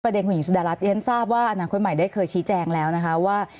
เด็คุณหญิงสุดารัฐเรียนทราบว่าอนาคตใหม่ได้เคยชี้แจงแล้วนะคะว่า